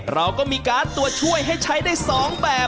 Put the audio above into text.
เราก็มีการ์ดตัวช่วยให้ใช้ได้๒แบบ